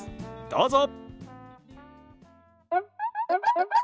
どうぞ。